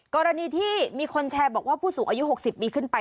กรณีที่มีคนแชร์บอกว่าผู้สูงอายุ๖๐ปีขึ้นไป